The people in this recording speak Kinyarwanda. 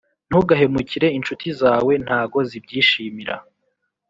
Ntugahemukire inshuti zawe ntago zibyishimira